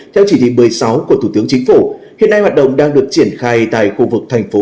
theo chỉ thị một mươi sáu của thủ tướng chính phủ hiện nay hoạt động đang được triển khai tại khu vực tp thủ đức